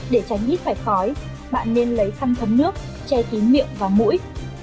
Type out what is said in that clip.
để tránh hít phải khói bạn nên lấy khăn thấm nước che kín miệng và mũi